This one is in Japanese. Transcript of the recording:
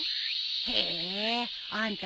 へえあんた